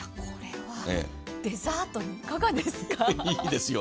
これはデザートにいかがですか？